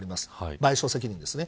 賠償責任ですね。